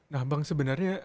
nah bang sebenarnya